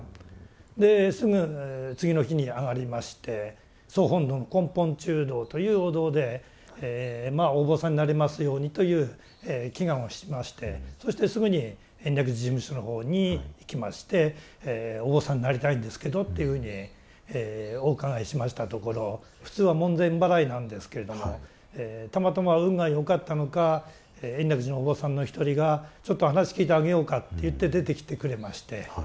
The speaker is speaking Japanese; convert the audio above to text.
ですぐ次の日に上がりまして総本堂の根本中堂というお堂でまあお坊さんになれますようにという祈願をしましてそしてすぐに延暦寺事務所のほうに行きましてお坊さんになりたいんですけどというふうにお伺いしましたところ普通は門前払いなんですけれどもたまたま運が良かったのか延暦寺のお坊さんの一人がちょっと話聞いてあげようかって言って出てきてくれまして。